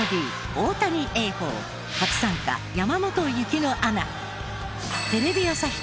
大谷映芳初参加山本雪乃アナ。